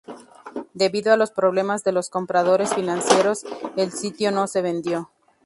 Debido a los problemas de los compradores financieros, el sitio no se vendió.